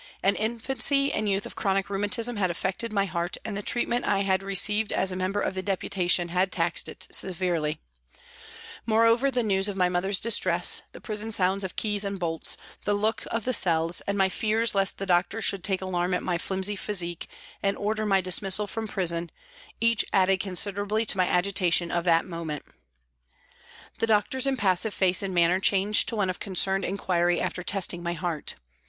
An infancy and youth of chronic rheumatism had affected my heart, and the treatment I had received as member of the Deputation had taxed it severely. 74 PRISONS AND PRISONERS Moreover, the news of my mother's distress, the prison sounds of keys and bolts, the look of the cells, and my fears lest the doctor should take alarm at my flimsy physique and order my dismissal from the prison, each added considerably to my agitation of that moment. The doctor's impassive face and manner changed to one of concerned inquiry after testing my heart.